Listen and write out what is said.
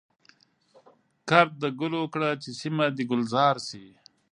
کرد د ګلو کړه چي سیمه د ګلزار شي.